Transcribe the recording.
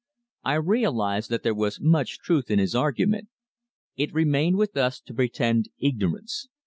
I realized that there was much truth in his argument. It remained with us to pretend ignorance.